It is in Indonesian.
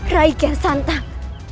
rai kian santang